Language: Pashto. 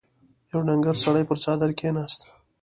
يو ډنګر سړی پر څادر کېناست.